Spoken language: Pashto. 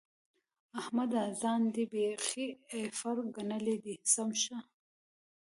احمده! ځان دې بېخي ايغر ګڼلی دی؛ سم شه.